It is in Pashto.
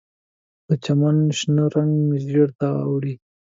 د چمن شنه رنګ ژیړ ته اړوي